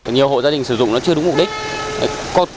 nhiều hộ gia đình sử dụng nó chưa đúng mục đích